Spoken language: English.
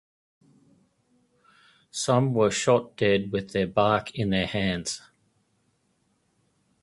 Some were shot dead with their bark in their hands.